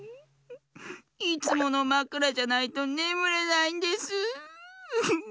いつものまくらじゃないとねむれないんです。